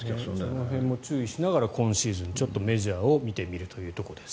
その辺も注意しながら今シーズンちょっとメジャーを見てみるというところです。